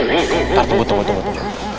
ntar tunggu tunggu tunggu